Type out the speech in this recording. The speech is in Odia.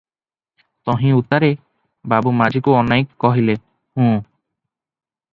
ତହିଁ ଉତ୍ତାରେ ବାବୁ ମାଝିକୁ ଅନାଇ କହିଲେ, "ହୁଁ -"